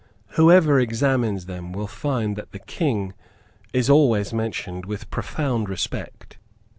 Whoever examines them will find that the King is always mentioned with profound respect.